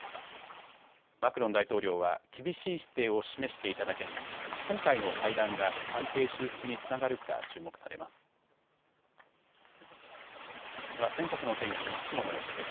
マクロン大統領は厳しい姿勢を示していただけに今回の会談が関係修復につながるか注目されます。